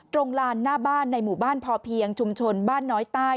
ลานหน้าบ้านในหมู่บ้านพอเพียงชุมชนบ้านน้อยใต้